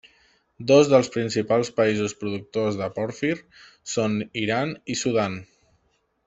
Dos dels principals països productors de pòrfir són Iran i Sudan.